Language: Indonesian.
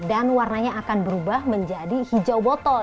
dan warnanya akan berubah menjadi hijau botol